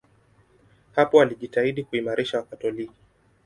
Hapo alijitahidi kuimarisha Wakatoliki.